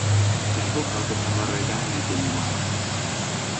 แต่พวกเขาจะทำอะไรได้ในเจนีวา